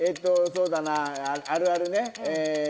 そうだな、あるあるね。